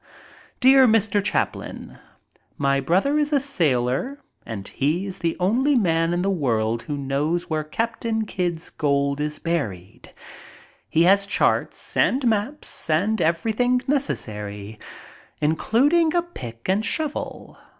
Dear Mr. Chaplin, — My brother is a sailor and he is the only man in the world who knows where Capt. Kidd's gold is buried. He has charts and maps and everything necessary, including a pick and shovel.